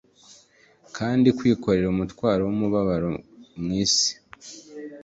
kandi, kwikorera umutwaro wumubabaro mwinshi